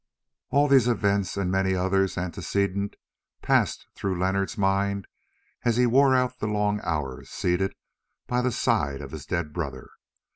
All these events and many others antecedent passed through Leonard's mind as he wore out the long hours seated by the side of his dead brother.